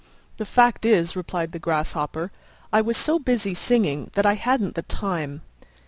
"The fact is," replied the Grasshopper, "I was so busy singing that I hadn't the time."